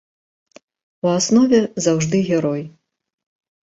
У аснове заўжды герой.